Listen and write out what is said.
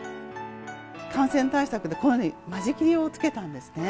感染対策でこのように、間仕切りをつけたんですね。